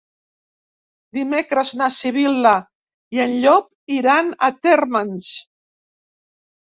Dimecres na Sibil·la i en Llop iran a Térmens.